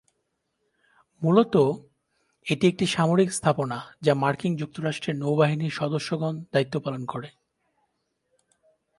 মূলতঃ এটি একটি সামরিক স্থাপনা যা মার্কিন যুক্তরাষ্ট্রের নৌবাহিনীর সদস্যগণ দায়িত্ব পালন করেন।